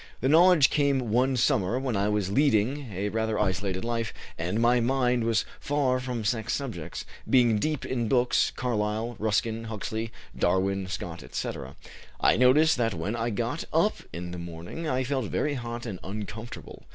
"The knowledge came one summer when I was leading a rather isolated life, and my mind was far from sex subjects, being deep in books, Carlyle, Ruskin, Huxley, Darwin, Scott, etc. I noticed that when I got up in the morning I felt very hot and uncomfortable.